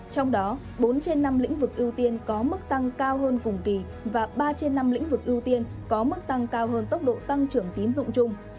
trong đó bốn trên năm lĩnh vực ưu tiên có mức tăng cao hơn cùng kỳ và ba trên năm lĩnh vực ưu tiên có mức tăng cao hơn tốc độ tăng trưởng tín dụng chung